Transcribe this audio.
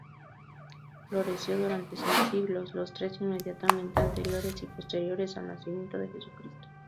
Floreció durante seis siglos, los tres inmediatamente anteriores y posteriores al nacimiento de Jesucristo.